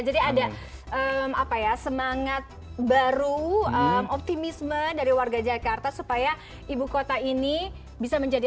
jadi ada semangat baru optimisme dari warga jakarta supaya ibu kota ini bisa menjadi